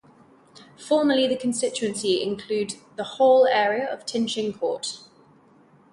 Formerly the constituency include the whole area of Tin Shing Court.